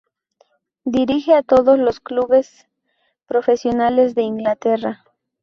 Dirige a todos los clubes profesionales de Inglaterra.